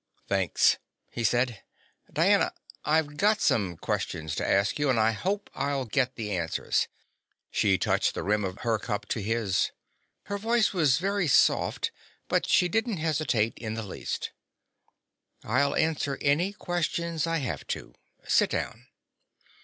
"Thanks," he said. "Diana, I've got some questions to ask you, and I hope I'll get the answers." She touched the rim of her cup to his. Her voice was very soft, but she didn't hesitate in the least. "I'll answer any questions I have to. Sit down."